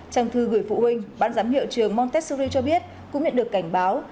trang thư gửi phụ huynh bán giám hiệu trường montessori cho biết cũng nhận được cảnh báo